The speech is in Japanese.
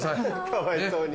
かわいそうに。